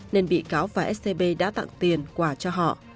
nên bị cáo và scb đã tặng tiền quả cho họ